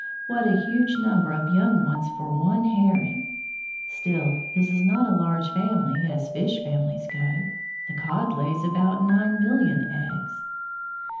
What a huge number of young ones for one Herring! Still, this is not a large family, as fish families go. The Cod lays about nine million eggs!